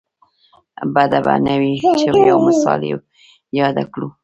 بده به نه وي چې یو مثال یې یاد کړو.